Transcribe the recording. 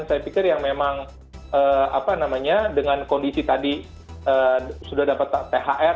saya pikir yang memang apa namanya dengan kondisi tadi sudah dapat thr